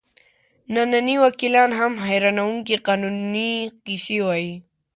ننني وکیلان هم حیرانوونکې قانوني کیسې وایي.